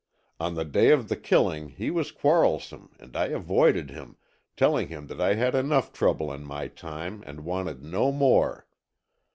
On the day of the killing he was quarrelsome and I avoided him, telling him that I had enough trouble in my time and wanted no more.